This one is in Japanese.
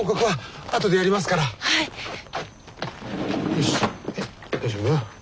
よし大丈夫？